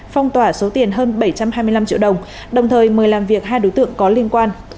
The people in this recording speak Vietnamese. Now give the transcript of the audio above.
phong tỏa số tiền hơn bảy trăm hai mươi năm triệu đồng đồng thời mời làm việc hai đối tượng có liên quan